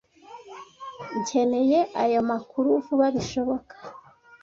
Nkeneye ayo makuru vuba bishoboka.